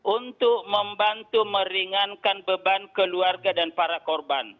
untuk membantu meringankan beban keluarga dan para korban